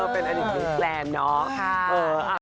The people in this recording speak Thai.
เป็นอันนี้แปลนเนาะ